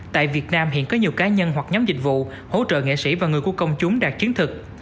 tại việt nam hiện có nhiều cá nhân hoặc nhóm dịch vụ hỗ trợ nghệ sĩ và người của công chúng đạt chứng thực